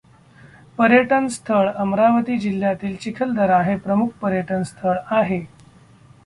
पर्यटनस्थळ अमरावती जिल्ह्यातील चिखलदरा हे प्रमुख पर्यटनस्थळ आहे.